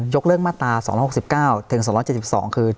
ยกเลิกมาตรา๒๖๙๒๗๒คือ